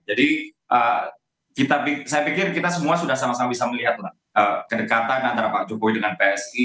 jadi saya pikir kita semua sudah sama sama bisa melihatlah kedekatan antara pak jokowi dengan psi